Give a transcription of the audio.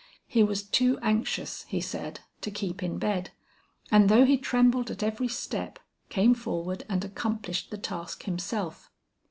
He was too anxious, he said, to keep in bed, and though he trembled at every step, came forward and accomplished the task himself.